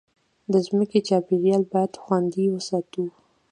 د مځکې چاپېریال باید خوندي وساتو.